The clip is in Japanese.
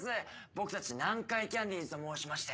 僕たち南海キャンディーズと申しまして。